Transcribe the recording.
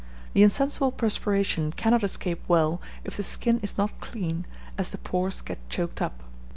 The insensible perspiration cannot escape well if the skin is not clean, as the pores get choked up.